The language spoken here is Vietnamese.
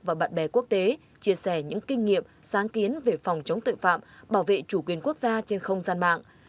và bạn bè quốc tế chia sẻ những kinh nghiệm sáng kiến về phòng chống tội phạm bảo vệ chủ quyền quốc gia trên không gian mạng